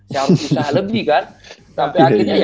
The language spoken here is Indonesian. saya harus bisa lebih kan sampai akhirnya ya